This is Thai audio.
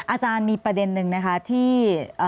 อาจารย์มีประเด็นนึงนะคะที่